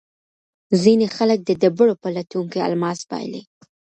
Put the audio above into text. ځینې خلک د ډبرو په لټون کې الماس بایلي.